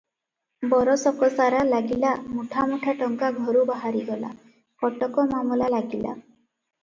ବରଷକସାରା ଲାଗିଲା ମୁଠା ମୁଠା ଟଙ୍କା ଘରୁ ବାହାରିଗଲା, କଟକ ମାମଲା ଲାଗିଲା ।